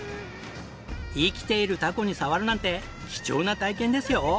生きているタコに触るなんて貴重な体験ですよ。